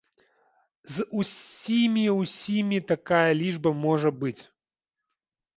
З усімі-ўсімі такая лічба можа быць.